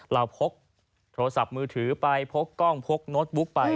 พกโทรศัพท์มือถือไปพกกล้องพกโน้ตบุ๊กไป